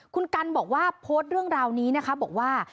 คุณกันบอกว่าโพสต์เรื่องราวนี้นะคะบอกว่า